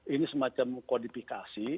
ini semacam kodifikasi